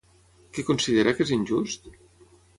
Què considera que és injust?